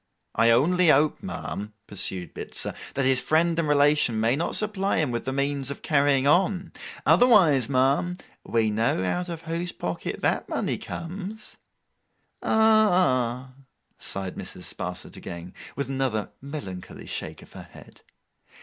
'I only hope, ma'am,' pursued Bitzer, 'that his friend and relation may not supply him with the means of carrying on. Otherwise, ma'am, we know out of whose pocket that money comes.' 'Ah—h!' sighed Mrs. Sparsit again, with another melancholy shake of her head.